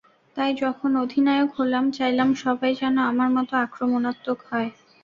তাই যখন অধিনায়ক হলাম, চাইলাম সবাই যেন আমার মতো আক্রমণাত্মক হয়।